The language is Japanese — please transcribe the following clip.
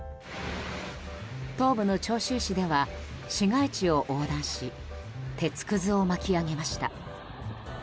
東部の潮州市では市街地を横断し鉄くずを巻き上げました。